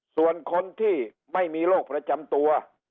ส่วนคนที่ไม่มีโรคประจำตัว